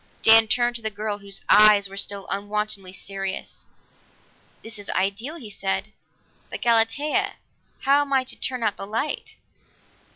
Dan turned to the girl, whose eyes were still unwontedly serious. "This is ideal," he said, "but, Galatea, how am I to turn out the light?"